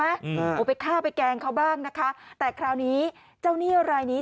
อืมโอ้ไปฆ่าไปแกล้งเขาบ้างนะคะแต่คราวนี้เจ้านี่อะไรนี้